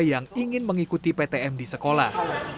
yang ingin mengikuti ptm di sekolah